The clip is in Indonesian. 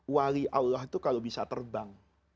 wali allah itu kalau bisa terbang